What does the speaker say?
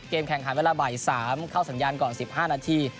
แข่งขันเวลาบ่าย๓เข้าสัญญาณก่อน๑๕นาที